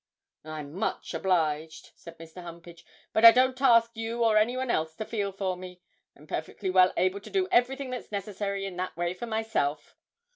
'I'm much obliged,' said Mr. Humpage, 'but I don't ask you or anybody else to feel for me. I am perfectly well able to do everything that's necessary in that way for myself.'